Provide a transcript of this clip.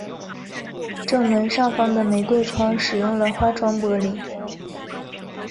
正门上方的玫瑰窗使用了花窗玻璃。